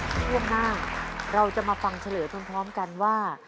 เรื่องหน้าเราจะมาฟังเฉลยทั้งพร้อมกันว่า